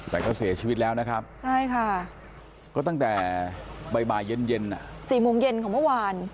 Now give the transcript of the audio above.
แต่ก็เสียชีวิตแล้วนะครับใช่ค่ะก็ตั้งแต่บ่ายเย็น๔โมงเย็นของเมื่อวาน